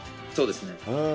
そうですね。